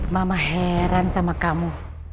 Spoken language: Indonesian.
mama heran sama kamu